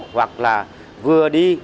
hoặc là vừa đi